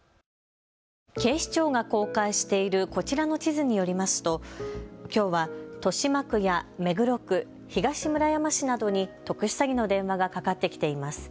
警視庁が公開しているこちらの地図によりますときょうは豊島区や目黒区、東村山市などに特殊詐欺の電話がかかってきています。